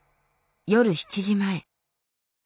夜７時前。